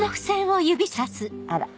あら。